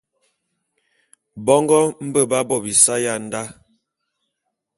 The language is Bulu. Bongo mbe b'á bo bisae ya ndá.